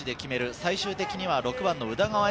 最終的には６番の宇田川瑛